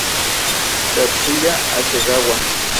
Isabella obtiene una audiencia y ruega piedad.